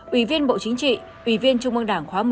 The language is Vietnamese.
ủy viên bộ chính trị ủy viên trung mương đảng khóa một mươi ba